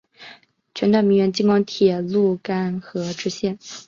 全段名为京广铁路邯和支线。